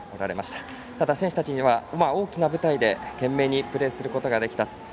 ただ選手たちにとって大きな舞台で懸命にプレーすることができた。